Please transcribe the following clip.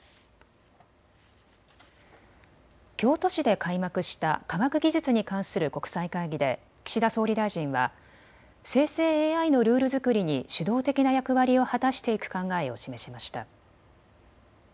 京都市で開幕した科学技術に関する国際会議で岸田総理大臣は生成ＡＩのルール作りに主導的な役割を果たしていく考えを示しました。